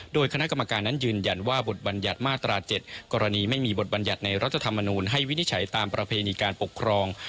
โดยคณะกรรมการนั้นยืนยันว่าบทบัญญัติมาตรา๗กรณีไม่มีบทบัญญัติในรัฐธรรมนูลให้วินิจฉัยตามประเพณีการปกครอง